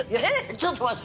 ちょっと待って。